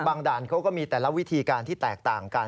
ด่านเขาก็มีแต่ละวิธีการที่แตกต่างกัน